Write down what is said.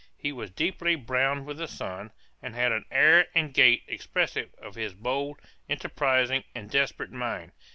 He was deeply browned with the sun, and had an air and gait expressive of his bold, enterprising, and desperate mind.